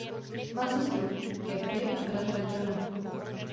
Má sestru Kathy a bratra Johna.